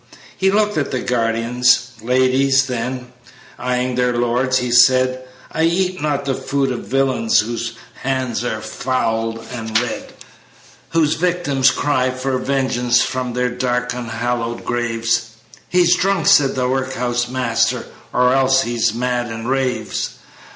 He looked at the guardians' ladies, Then, eyeing their lords, he said, "I eat not the food of villains Whose hands are foul and red: "Whose victims cry for vengeance From their dank, unhallowed graves." "He's drunk!" said the workhouse master, "Or else he's mad and raves."